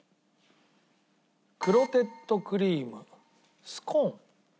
クロテッドクリームスコーン。